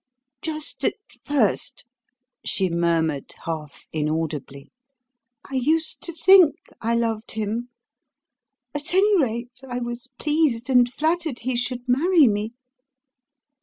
"Just at first," she murmured half inaudibly, "I used to THINK I loved him. At any rate, I was pleased and flattered he should marry me."